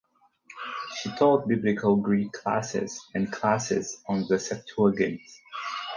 She taught biblical Greek classes and classes on the Septuagint.